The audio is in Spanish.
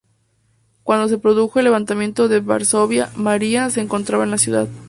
Cuando se produjo el Levantamiento de Varsovia, María se encontraba en la ciudad.